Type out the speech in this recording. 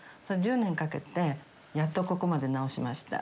１０年かけてやっとここまで直しました。